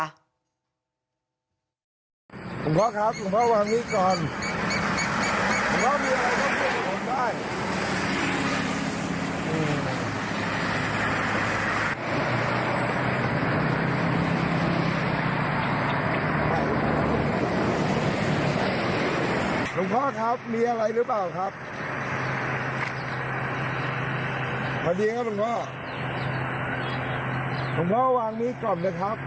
หลุมพ่อครับหลุมพ่อวางนี่ก่อน